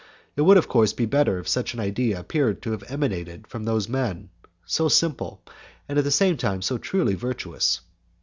It would of course be better if such an idea appeared to have emanated from those men, so simple, and at the same time so truly virtuous.